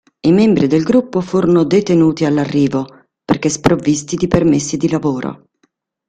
I membri del gruppo furono detenuti all'arrivo, perché sprovvisti di permessi di lavoro.